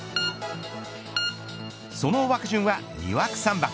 その枠順は２枠３番。